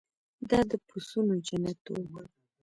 دا د پسونو جنت و.